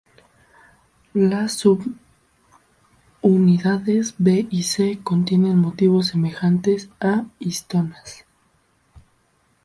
Las subunidades B y C contienen motivos semejantes a histonas.